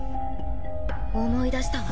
思い出したわ。